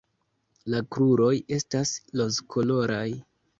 La kruroj estas rozkoloraj.